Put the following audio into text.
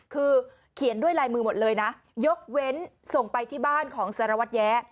คือเขียนด้วยลายมือหมดเลยนะยกเว้นส่งไปที่บ้านของสารวัตรแย้